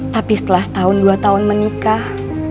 tapi setelah setahun dua tahun menikah